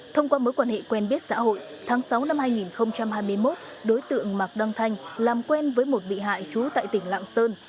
thông qua mối quan hệ quen biết xã hội tháng sáu năm hai nghìn hai mươi một đối tượng mạc đăng thanh làm quen với một bị hại trú tại tỉnh lạng sơn